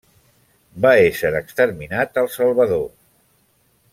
Va ésser exterminat al Salvador.